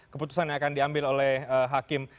keputusan yang akan diambil oleh hakim